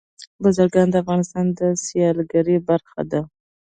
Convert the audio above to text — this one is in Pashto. بزګان د افغانستان د سیلګرۍ برخه ده.